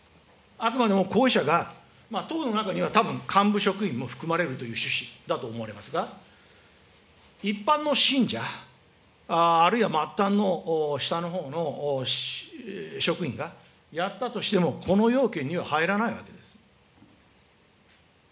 あくまでも行為者が、等の中には幹部職員も含まれるという趣旨だと思われますが、一般の信者、あるいは末端の下のほうの職員がやったとしても、この要件には入らないわけです。